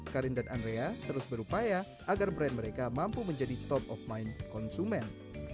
karin dan andrea terus berupaya agar brand mereka mampu menjadi top of mind konsumen